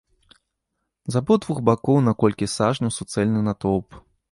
З абодвух бакоў на колькі сажняў суцэльны натоўп.